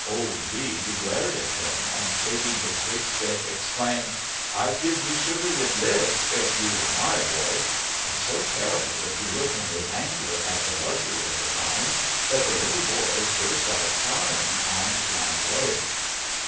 Old Reed glared at him, and shaking his big stick, exclaimed, "I'd give you sugar with this if you were my boy!" and so terrible did he look in his anger at the luxury of the times, that the little boy burst out crying and ran away!